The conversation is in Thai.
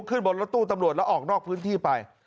ขึ้นบนรถตู้ตำรวจแล้วออกนอกพื้นที่ไป